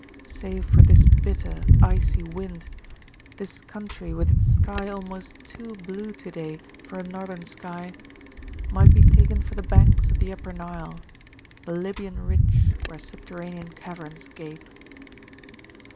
Save for this bitter, icy wind, this country, with its sky almost too blue to day for a northern sky, might be taken for the banks of the upper Nile, the Libyan ridge where subterranean caverns gape.